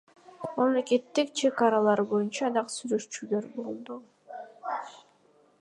Мамлекеттик чек аралар боюнча дагы сүйлөшүүлөр болду.